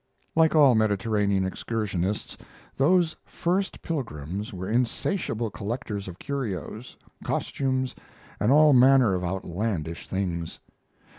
Like all Mediterranean excursionists, those first pilgrims were insatiable collectors of curios, costumes, and all manner of outlandish things.